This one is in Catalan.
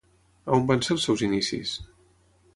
A on van ser els seus inicis?